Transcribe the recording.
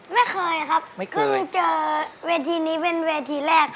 แม่เคยครับเค้าเจอเวทีนี้เป็นเวทีแรกครับ